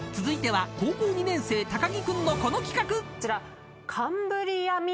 ［続いては高校２年生高木君のこの企画］